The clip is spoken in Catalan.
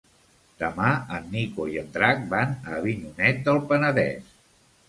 Demà en Nico i en Drac van a Avinyonet del Penedès.